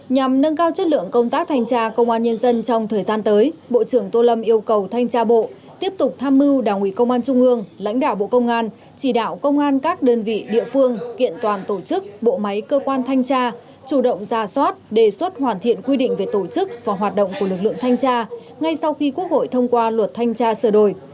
nhằm nâng cao chất lượng công tác thanh tra công an nhân dân trong thời gian tới bộ trưởng tô lâm yêu cầu thanh tra bộ tiếp tục tham mưu đảng ủy công an trung ương lãnh đạo bộ công an chỉ đạo công an các đơn vị địa phương kiện toàn tổ chức bộ máy cơ quan thanh tra chủ động ra soát đề xuất hoàn thiện quy định về tổ chức và hoạt động của lực lượng thanh tra ngay sau khi quốc hội thông qua luật thanh tra sửa đổi